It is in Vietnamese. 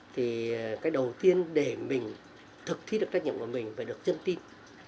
thì cái đầu tiên để mình thực thi được trách nhiệm của mình phải được dân tin